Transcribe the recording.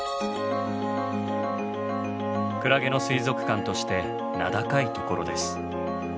クラゲの水族館として名高いところです。